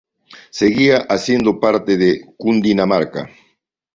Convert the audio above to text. Seguía haciendo parte de Cundinamarca.